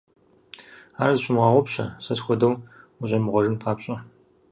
Ар зыщумыгъэгъупщэ, сэ схуэдэу ущӀемыгъуэжын папщӀэ.